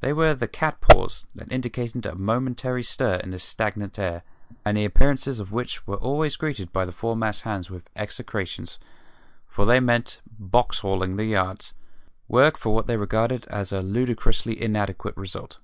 They were the "cats paws" that indicated a momentary stir in the stagnant air, and the appearances of which were always greeted by the foremast hands with execrations, for they meant "box hauling" the yards work for what they regarded as a ludicrously inadequate result.